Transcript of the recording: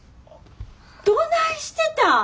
どないしてたん！